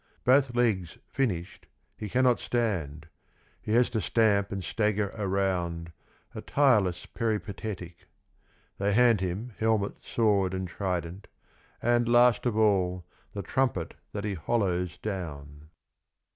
Both legs finished he cannot stand, he has to stamp and stagger around, a tireless peripatetic. They hand him helmet, sword and trident, and, last of all, the trumpet that he holloes down.